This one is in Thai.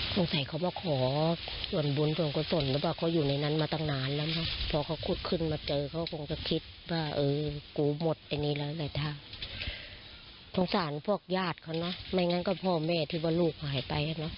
สงสารพวกญาติเขานะไม่งั้นก็พ่อแม่ที่ว่าลูกหายไปอะเนาะ